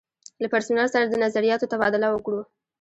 له پرسونل سره د نظریاتو تبادله وکړو.